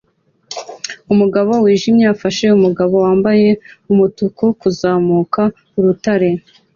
Umugabo wijimye afasha umugabo wambaye umutuku kuzamuka urutare